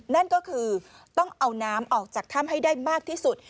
นั่นก็คือต้องเอาน้ำออกจากถ้ำให้ได้มากที่สุด